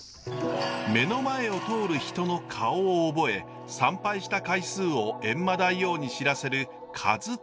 目の前を通る人の顔を覚え参拝した回数を閣魔大王に知らせる数取り地蔵。